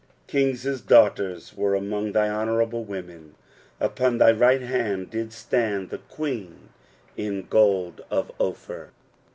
9 King's daughters were among thy honourable women : upon thy right hand did stand the queen in gold of Ophir, 8.